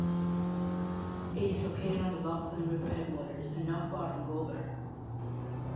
It is located on the Lachlan River headwaters and not far from Goulburn.